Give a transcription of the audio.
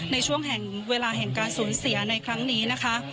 ในช่วงแห่งเวลาแห่งการสูญเสียในครั้งนี้นะคะ